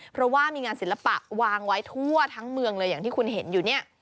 เพราะว่ามีงานศิลปะวางไว้ทั่วทั้งเมืองเลยอย่างที่คุณเห็นอยู่เนี่ย